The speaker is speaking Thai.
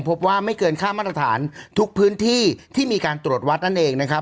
ไม่เกินค่ามาตรฐานทุกพื้นที่ที่มีการตรวจวัดนั่นเองนะครับ